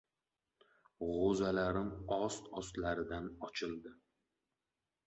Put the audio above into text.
G‘o‘zalarim ost-ostlaridan ochildi.